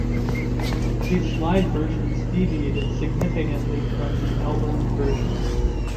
These live versions deviated significantly from the album version.